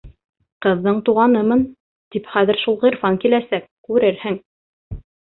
Ҡыҙҙың туғанымын, тип хәҙер шул Ғирфан киләсәк, күрерһең.